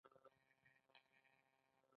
کمیسیون د وګړو یو ګروپ ته ویل کیږي.